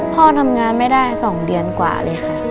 พ่อทำงานไม่ได้๒เดือนกว่าเลยค่ะ